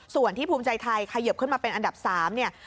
ส่วนที่ภูมิใจไทยเขยิบขึ้นมาเป็นอันดับ๓เนี่ย